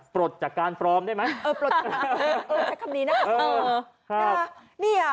ปรดจากการพร้อมได้ไหมเออปรดใช้คำนี้นะเออครับนี่อ่ะ